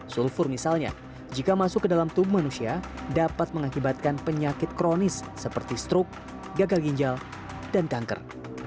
sulfur misalnya jika masuk ke dalam tubuh manusia dapat mengakibatkan penyakit kronis seperti stroke gagal ginjal dan kanker